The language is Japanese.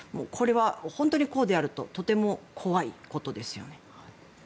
これは本当にこうであるととても怖いことですよね。